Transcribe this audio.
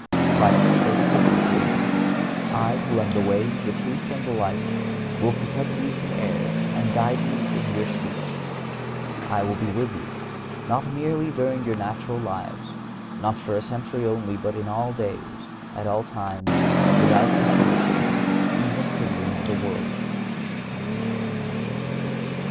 Christ says equivalently I who "am the way, the truth and the life," will protect you from error and will guide you in your speech. I will be with you, not merely during your natural lives, not for a century only, but all days, at all times, without intermission, even to the end of the world.